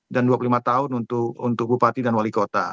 dan dua puluh lima tahun untuk bupati dan wali kota